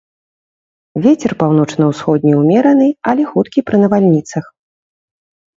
Вецер паўночна-усходні ўмераны, але хуткі пры навальніцах.